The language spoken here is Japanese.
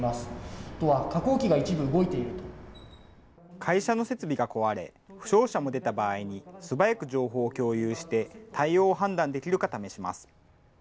会社の設備が壊れ、負傷者も出た場合に、素早く情報を共有して対応を判断できるか試します。